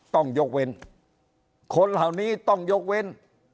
ต้องยกเว้นคนเหล่านี้ต้องยกเว้น